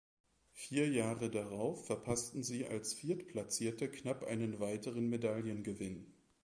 Vier Jahre darauf verpassten sie als Viertplatzierte knapp einen weiteren Medaillengewinn.